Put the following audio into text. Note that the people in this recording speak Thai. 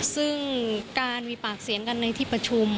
ซึ่งการมีปากเสียงกันในที่ประชุม